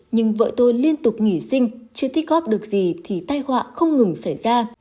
nhưng vợ tôi liên tục nghỉ sinh chưa thích góp được gì thì tài hòa không ngừng xảy ra